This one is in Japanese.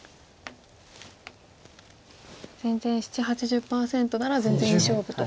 全然７０８０％なら全然いい勝負と。